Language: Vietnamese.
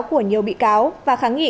của nhiều bị cáo và kháng nghị